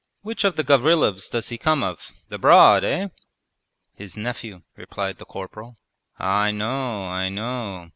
Which of the Gavrilovs does he come of? ... the Broad, eh?' 'His nephew,' replied the corporal. 'I know, I know.